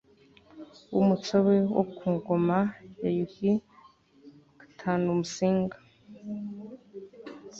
w'umutsobe wo kugoma ya yuhi iv musinga